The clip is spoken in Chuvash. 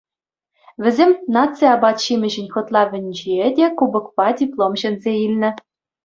Вӗсем наци апат-ҫимӗҫӗн хӑтлавӗнече те кубокпа диплом ҫӗнсе илнӗ.